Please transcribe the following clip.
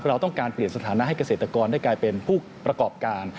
เราต้องการเปลี่ยนสถานะให้เกษตรกรได้กลายเป็นผู้ประกอบการ